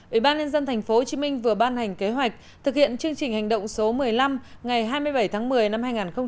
ủy ban nhân dân tp hcm vừa ban hành kế hoạch thực hiện chương trình hành động số một mươi năm ngày hai mươi bảy tháng một mươi năm hai nghìn hai mươi